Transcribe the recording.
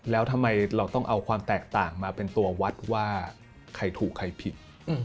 แล้วทำไมเราต้องเอาความแตกต่างมาเป็นตัววัดว่าใครถูกใครผิด